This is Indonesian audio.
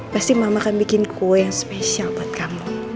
pasti mama akan bikin kue yang spesial buat kamu